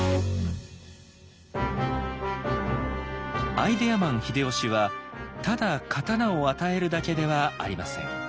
アイデアマン秀吉はただ刀を与えるだけではありません。